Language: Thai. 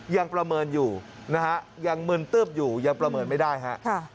ประเมินอยู่นะฮะยังมึนตึ๊บอยู่ยังประเมินไม่ได้ฮะ